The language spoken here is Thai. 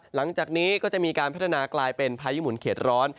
หลังจากนี้ก็จะมีการพัฒนากลายเป็นพายุหมุนเข็ดร้อน